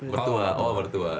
mertua oh mertua